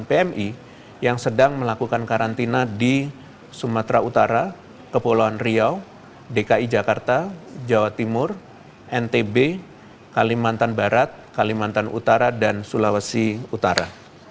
tiga dua ratus dua puluh delapan pmi yang sedang melakukan karantina di sumatera utara kepulauan riau dki jakarta jawa timur ntb kalimantan barat kalimantan utara dan sulawesi utara